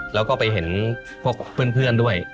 แล้วก็ไปเห็นพวกเพื่อนด้วย